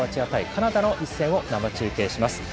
カナダの一戦を生中継します。